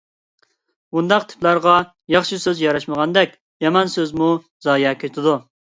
بۇنداق تىپلارغا ياخشى سۆز ياراشمىغاندەك، يامان سۆزمۇ زايە كېتىدۇ.